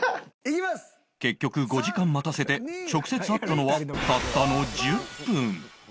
結局５時間待たせて直接会ったのはたったの１０分